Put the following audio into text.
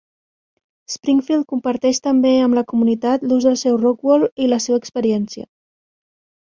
Springfield comparteix també amb la comunitat l'ús del seu Rockwall i la seva experiència.